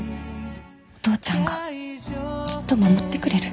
お父ちゃんがきっと守ってくれる。